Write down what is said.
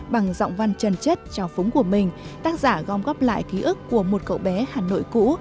bằng giọng văn trần chất trào phúng của mình tác giả gom góp lại ký ức của một cậu bé hà nội cũ